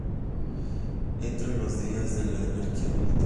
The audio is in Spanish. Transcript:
Eran los días de la anarquía militar.